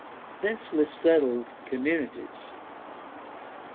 Densely settled communities.